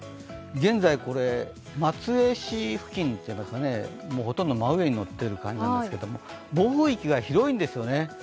現在、松江市付近といいますか、ほとんど真上に乗ってる感じですけれども、暴風域が広いんですよね。